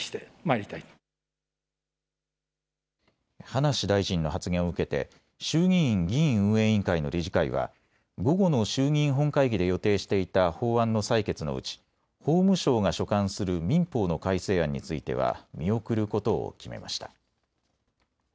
葉梨大臣の発言を受けて衆議院議院運営委員会の理事会は午後の衆議院本会議で予定していた法案の採決のうち法務省が所管する民法の改正案については見送ることを決めました。